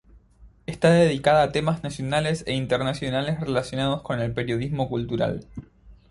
Está dedicada a temas nacionales e internacionales relacionados con el periodismo cultural.